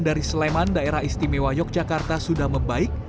dari sleman daerah istimewa yogyakarta sudah membaik